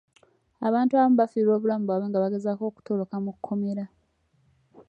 Abantu abamu baafiirwa obulamu bwabwe nga bagezaako okutoloka mu kkomera.